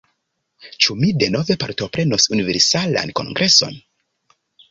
Ĉu mi denove partoprenos Universalan Kongreson?